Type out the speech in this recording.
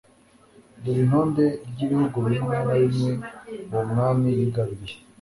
Dore Itonde ry'ibihugu bimwe na bimwe uwo mwami yigaruriye